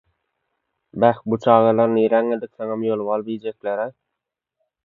– Bäh, bu çagalar niräňe dyksaňam ýolup alyp iýjekler-aý.